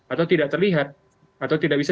atau tidak terlihat atau tidak bisa